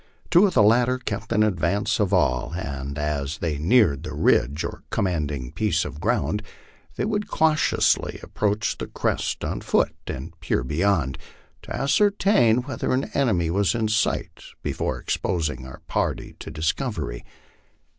Two of the latter kept in advance of all, and as they neared a ridge or commanding piece of ground they would cautiously approach the crest on foot and peer beyond, to ascertain whether an enemy was in sight before exposing our party to dis covery.